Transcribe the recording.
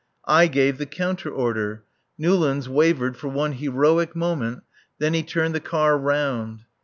I gave the counter order. Newlands wavered for one heroic moment; then he turned the car round.